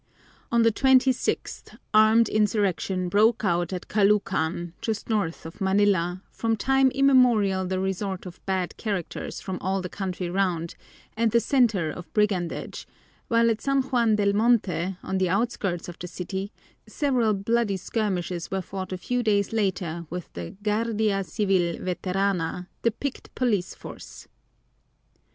On the twenty sixth armed insurrection broke out at Caloocan, just north of Manila, from time immemorial the resort of bad characters from all the country round and the center of brigandage, while at San Juan del Monte, on the outskirts of the city, several bloody skirmishes were fought a few days later with the Guardia Civil Veterana, the picked police force.